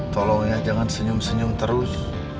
tolong ya jangan senyum senyum terus